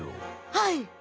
はい。